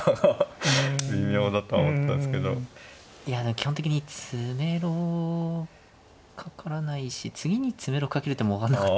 基本的に詰めろかからないし次に詰めろかける手も分かんなかった。